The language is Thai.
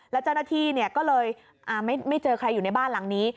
แล้วเจ้าหน้าที่ก็เลยไม่เจอใครอยู่ในบ้านหลังนี้